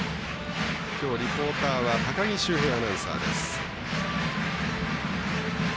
きょうリポータ−高木修平アナウンサーです。